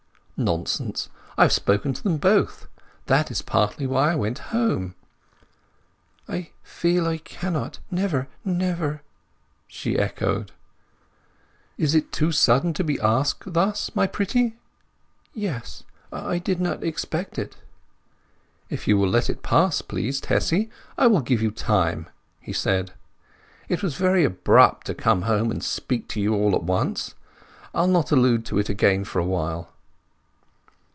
"Nonsense—I have spoken to them both. That was partly why I went home." "I feel I cannot—never, never!" she echoed. "Is it too sudden to be asked thus, my Pretty?" "Yes—I did not expect it." "If you will let it pass, please, Tessy, I will give you time," he said. "It was very abrupt to come home and speak to you all at once. I'll not allude to it again for a while."